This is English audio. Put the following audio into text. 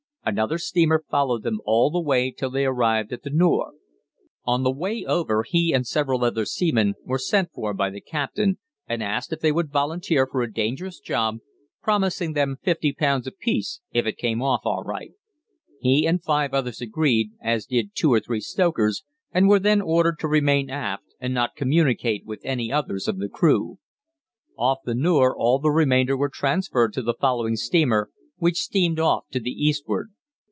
Another steamer followed them all the way till they arrived at the Nore. On the way over he and several other seamen were sent for by the captain, and asked if they would volunteer for a dangerous job, promising them £50 a piece if it came off all right. He and five others agreed, as did two or three stokers, and were then ordered to remain aft and not communicate with any others of the crew. Off the Nore all the remainder were transferred to the following steamer, which steamed off to the eastward.